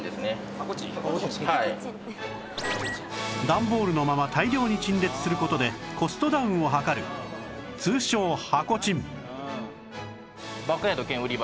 段ボールのまま大量に陳列する事でコストダウンを図る通称箱チン